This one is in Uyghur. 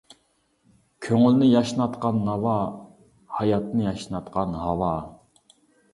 كۆڭۈلنى ياشناتقان ناۋا، ھاياتنى ياشناتقان ھاۋا.